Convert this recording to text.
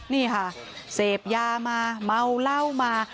นี่ค่ะเสพยามาเมาเหล้ามา